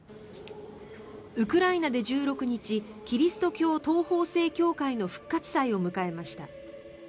ウクライナで１６日キリスト教東方正教会の復活祭を迎えました。